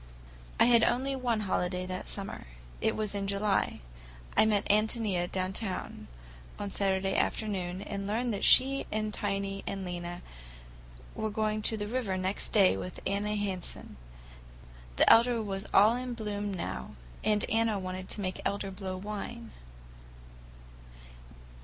I had only one holiday that summer. It was in July. I met Ántonia downtown on Saturday afternoon, and learned that she and Tiny and Lena were going to the river next day with Anna Hansen—the elder was all in bloom now, and Anna wanted to make elder blow wine.